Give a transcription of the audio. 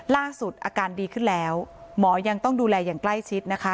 ล่าสุดอาการดีขึ้นแล้วหมอยังต้องดูแลอย่างใกล้ชิดนะคะ